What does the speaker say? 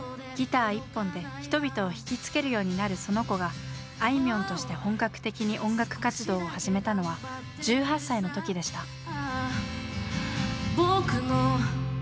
ギター一本で人々を引き付けるようになるその子があいみょんとして本格的に音楽活動を始めたのは１８歳の時でした。